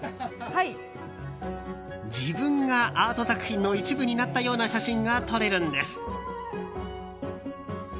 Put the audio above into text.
自分がアート作品の一部になったような写真が撮れるんです。